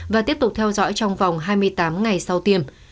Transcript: và tiếp tục theo dõi trong vòng hai mươi tám ngày sau tiêm